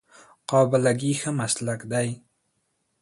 قابله ګي ښه مسلک دی